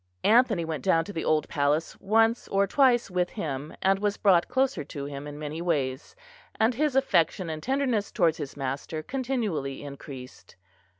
Anthony went down to the old palace once or twice with him; and was brought closer to him in many ways; and his affection and tenderness towards his master continually increased.